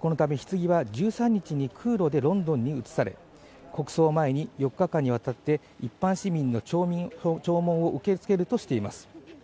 このため、ひつぎは１３日に空路でロンドンに移され、国葬を前に４日間にわたって、一般市民の弔問を受け付けるとしています。